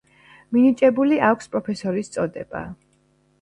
მინიჭებული აქვს პროფესორის წოდება.